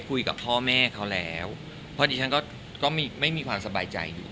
คุยกับพ่อแม่เขาแล้วพอดีฉันก็ไม่มีความสบายใจอยู่